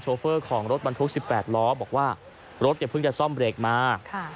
โชเฟอร์ของรถบรรทุกสิบแปดล้อบอกว่ารถเดี๋ยวเพิ่งจะซ่อมเบรกมาค่ะ